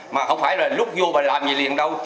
mà không phải là lúc vô và làm gì liền đâu